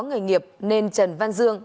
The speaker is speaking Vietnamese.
người nghiệp nên trần văn dương